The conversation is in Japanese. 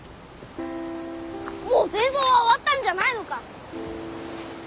もう戦争は終わったんじゃないのか？